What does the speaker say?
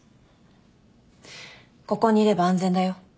ここにいれば安全だよ。